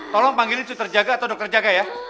tolong panggilin sutra jaga atau dokter jaga ya